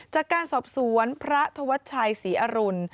จากการสอบสวนพระธวัชชัยศรีอรุณ